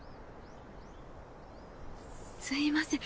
すみません。